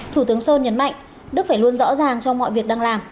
thủ tướng sơn nhấn mạnh đức phải luôn rõ ràng trong mọi việc đang làm